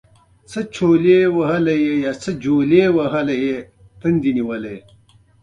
کله چې سالیزبوري نور هم ټینګار وکړ.